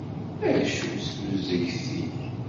Acu-tt tuzegt-ik?